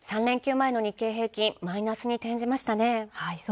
３連休前の日経平均株価マイナスに転じましたね。